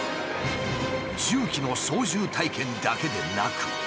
重機の操縦体験だけでなく。